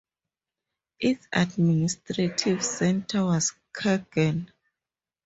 Its administrative centre was Kurgan.